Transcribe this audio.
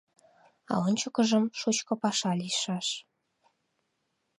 А ончыкыжым шучко паша лийшаш...